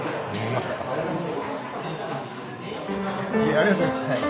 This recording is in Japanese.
ありがとうございます。